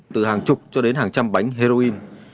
từ hàng chục cho đến hàng trăm bánh heroin